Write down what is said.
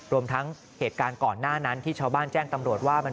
รวมทั้งเหตุการณ์ก่อนหน้านั้นที่ชาวบ้านแจ้งตำรวจว่า